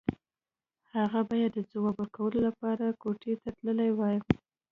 هغه بايد د ځواب ورکولو لپاره کوټې ته تللی وای.